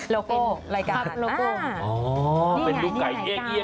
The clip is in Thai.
โลโก้รายการโลโก้อ๋อเป็นลูกไก่เอกแบบนี้